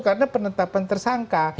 karena penetapan tersangka